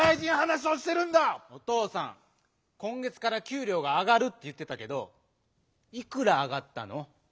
こん月からきゅうりょうがあがるっていってたけどいくらあがったの？